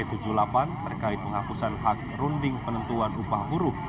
terkait penghapusan hak runding penentuan upah buruh